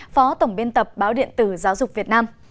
phó tổng biên tập báo điện tử giáo dục việt nam